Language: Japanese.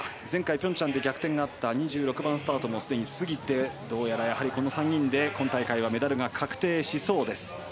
前回ピョンチャンで逆転があった２６番スタートもすでに過ぎて、どうやらやはりこの３人で今大会はメダルが確定しそうです。